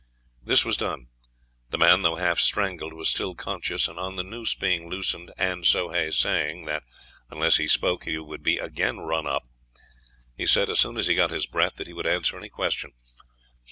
This was done. The man, though half strangled, was still conscious, and on the noose being loosened, and Soh Hay saying that, unless he spoke, he would be again run up, he said, as soon as he got his breath, that he would answer any question.